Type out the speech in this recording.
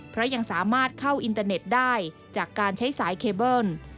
เพราะยังสามารถเข้าอินเตอร์เน็ตได้จากการใช้สายเคเบิ้ล